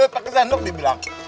pakai sendok dibilang